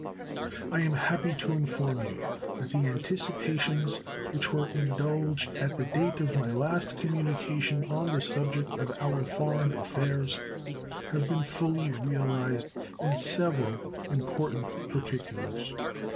I am happy to inform you that the anticipations which were indulged at the date of my last communication on the subject of our foreign affairs have been fully realized in several important particulars.